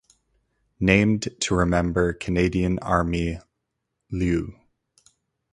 Named to remember Canadian Army Lieut.